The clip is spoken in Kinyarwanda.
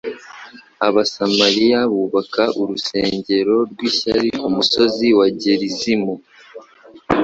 Abasamaliya bubaka urusengero rw'ishyari ku musozi wa Gerizimu.